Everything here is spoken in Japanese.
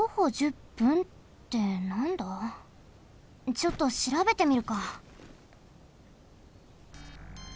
ちょっとしらべてみるか。